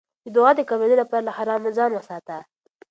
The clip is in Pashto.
د دعا د قبلېدو لپاره له حرامو ځان وساته.